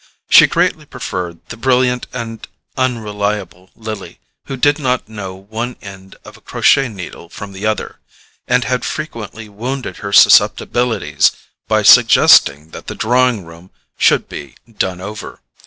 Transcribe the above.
She greatly preferred the brilliant and unreliable Lily, who did not know one end of a crochet needle from the other, and had frequently wounded her susceptibilities by suggesting that the drawing room should be "done over."